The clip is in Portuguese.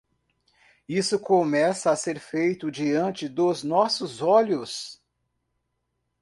Isso começa a ser feito diante dos nossos olhos.